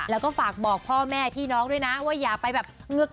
แล้วก็ฝากบอกพ่อแม่พี่น้องด้วยนะว่าอย่าไปแบบเงือก